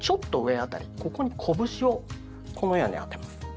ここに拳をこのように当てます。